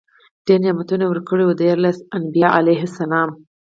ډير نعمتونه ورکړي وو، ديارلس انبياء عليهم السلام ئي